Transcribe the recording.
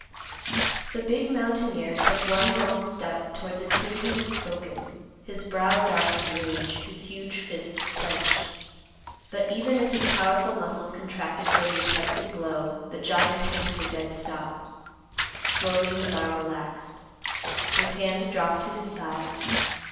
The big mountaineer took one long step toward the two who had spoken, his brow dark with rage, his huge fists clenched. But, even as his powerful muscles contracted for the expected blow, the giant came to a dead stop. Slowly his arm relaxed. His hand dropped to his side.